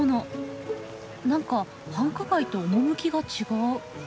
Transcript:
何か繁華街と趣が違う。